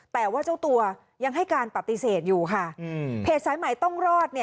แต่ว่าเจ้าตัวยังให้การปฏิเสธอยู่ค่ะเพจสายใหม่ต้องรอด